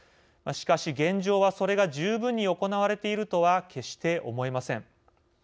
しかし、現状はそれが十分に行われているとは決して思えません。